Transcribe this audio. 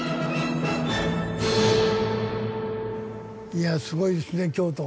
いやあすごいですね京都。